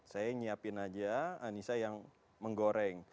saya nyiapin aja anissa yang menggoreng